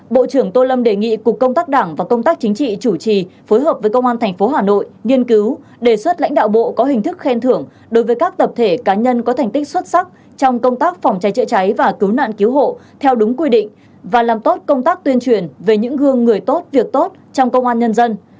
bộ trưởng tô lâm đề nghị cục công tác đảng và công tác chính trị chủ trì phối hợp với công an tp hà nội nghiên cứu đề xuất lãnh đạo bộ có hình thức khen thưởng đối với các tập thể cá nhân có thành tích xuất sắc trong công tác phòng cháy chữa cháy và cứu nạn cứu hộ theo đúng quy định và làm tốt công tác tuyên truyền về những gương người tốt việc tốt trong công an nhân dân